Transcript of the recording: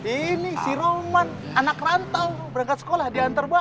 ini si roman anak rantau berangkat sekolah diantar bawa